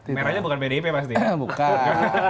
merahnya bukan pdip pasti ya bukan